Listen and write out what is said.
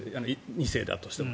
２世だとしても。